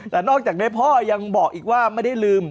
แต่นอกจากนี้พ่อยังบอกอีกว่าไม่ได้ลืม